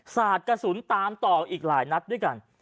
สาดกระสุนตามต่ออีกหลายนัดด้วยกัน